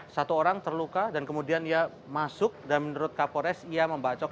satu orang terluka dan kemudian ia masuk dan menurut kapolres ia membacok